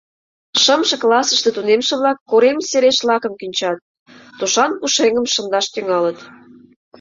Шымше классыште тунемше-влак корем сереш лакым кӱнчат, тушан пушеҥгым шындаш тӱҥалыт.